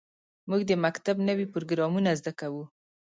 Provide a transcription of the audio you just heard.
موږ د مکتب نوې پروګرامونه زده کوو.